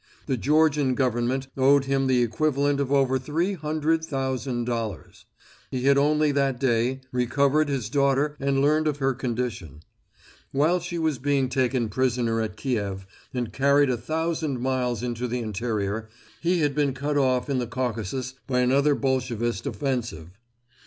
The Georgian Government owed him the equivalent of over three hundred thousand dollars. He had only that day recovered his daughter and learnt of her condition. While she was being taken prisoner at Kiev and carried a thousand miles into the interior, he had been cut off in the Caucasus by another Bolshevist offensive.